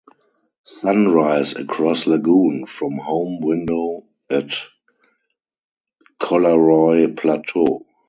Sunrise across lagoon from home window at Collaroy Plateau.